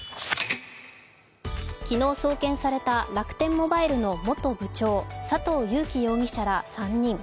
昨日送検された楽天モバイルの元部長、佐藤友紀容疑者ら３人。